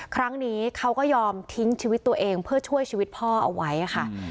ครั้งนี้เขาก็ยอมทิ้งชีวิตตัวเองเพื่อช่วยชีวิตพ่อเอาไว้ค่ะ